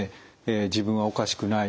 「自分はおかしくない。